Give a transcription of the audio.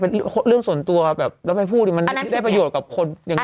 เป็นเรื่องส่วนตัวแล้วไปพูดมันได้ประโยชน์กับคนอย่างไร